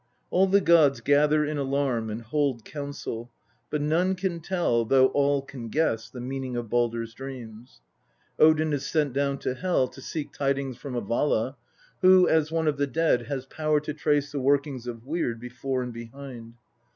All the gods gather in alarm and hold council, but none can tell, though all can guess, the meaning of Baldr's Dreams. Odin is sent down to Hel to seek tidings from a Vala, who, as one of the dead, has power to trace the workings of Weird before and behind.